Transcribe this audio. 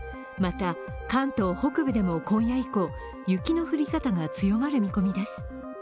また関東北部でも今夜以降、雪の降り方が強まる見込みです。